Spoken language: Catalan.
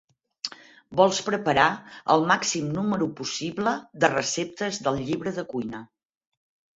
Vols preparar el màxim número possible de receptes del llibre de cuina.